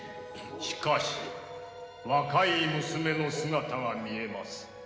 しかし、若い娘の姿が見えます。